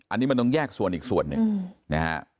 อันนี้มันต้องแยกส่วนอีกส่วนหนึ่งนะฮะ